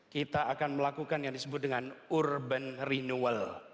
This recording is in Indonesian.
kita akan melakukan yang disebut dengan urban renewal